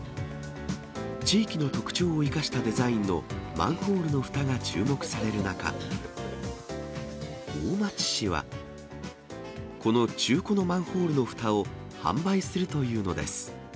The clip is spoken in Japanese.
地域の特徴を生かしたデザインのマンホールのふたが注目される中、大町市は、この中古のマンホールのふたを販売するというのです。